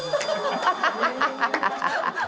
ハハハハ！